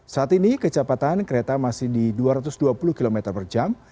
saat ini kecepatan kereta masih di dua ratus dua puluh km per jam